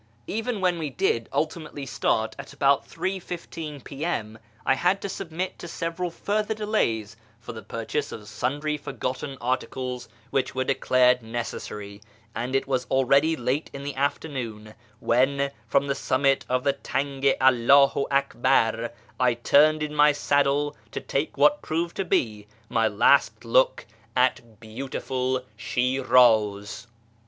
Even when we did ultimately start at about 3.15 P.M., I had to submit to several further delays for the purchase of sundry forgotten articles which were declared necessary ; and it was already late in the afternoon when, from the summit of the Tang i AlWiu Akhar, I turned in my saddle to take what proved to be my last look at beautiful Shiraz.